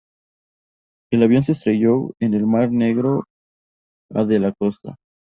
El avión se estrelló en el mar Negro a de la costa.